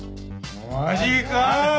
マジか。